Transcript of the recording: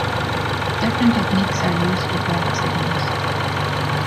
Different techniques are used to collect signals.